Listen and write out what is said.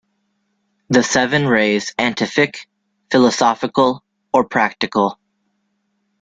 The seven rays antific, philosophical, or practical.